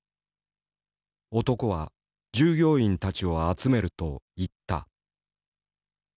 男は従業員たちを集めると言った。